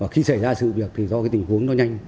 khi xảy ra sự việc thì do cái tình huống nó nhanh